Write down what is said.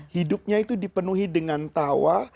hidupnya itu dipenuhi dengan tawa